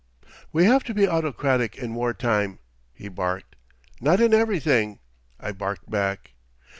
"We have to be autocratic in war time," he barked. "Not in everything," I barked back.